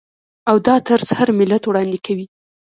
او دا طرز هر ملت وړاندې کوي.